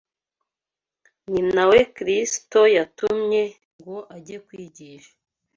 ni na We Kristo yatumye ngo ajye kwigisha